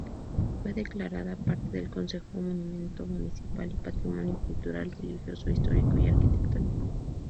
Fue declarada parte del Concejo Monumento Municipal y Patrimonio Cultural, Religioso, Histórico y Arquitectónico.